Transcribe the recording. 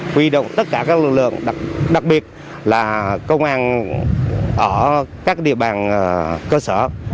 huy động tất cả các lực lượng đặc biệt là công an ở các địa bàn cơ sở